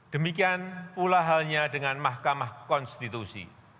demikian pula halnya dengan mahkamah konstitusi